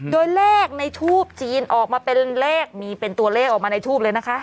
โดยเลขในทูปจีนออกมาเป็นเลขมีเป็นตัวเลขออกมาในทูปเลยนะคะ